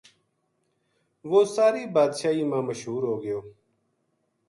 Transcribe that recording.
وہ ساری بادشاہی ما مشہور ہو گیو